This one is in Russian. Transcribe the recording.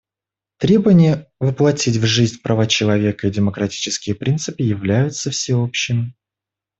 Требование воплотить в жизнь права человека и демократические принципы является всеобщим.